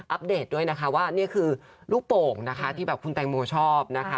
ปเดตด้วยนะคะว่านี่คือลูกโป่งนะคะที่แบบคุณแตงโมชอบนะคะ